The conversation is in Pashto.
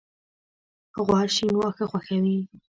غوا شین واښه خوښوي.